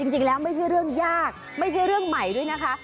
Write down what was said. จริงแล้วไม่ใช่เรื่องยากไม่ใช่เรื่องใหม่ด้วยนะคะ